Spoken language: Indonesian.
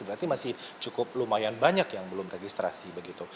berarti masih cukup lumayan banyak yang belum registrasi begitu